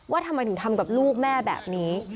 ทำไมถึงทำกับลูกแม่แบบนี้